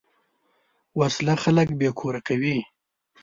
وسله خلک بېکور کوي